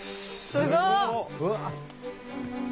すごっ！